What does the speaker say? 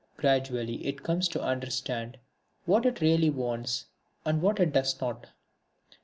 Gradually it comes to understand what it really wants and what it does not.